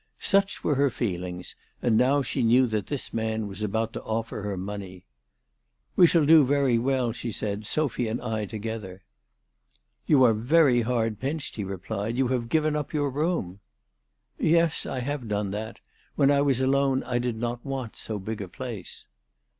Such were her feelings, and now she knew that this man was about to offer her money. " We shall do very well," she said, " Sophy and I together." "You are very hard pinched/' he replied. "You have given up your room." " Yes, I have done that. When I was alone I did not want so big a place."